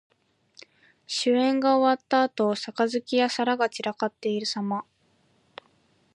酒宴が終わったあと、杯や皿が散らかっているさま。